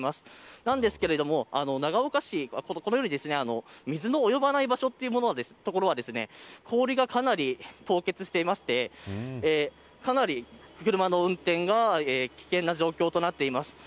なんですけれども、長岡市水の及ばない場所は氷がかなり凍結していまして車の運転が危険な状況となっています。